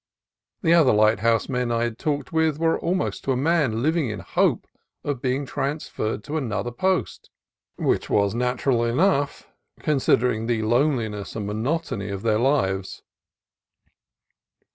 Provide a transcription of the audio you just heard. The other lighthouse men I had talked with were almost to a man living in hope of being transferred to other posts, which is natural enough, considering the lone liness and monotony of their lives.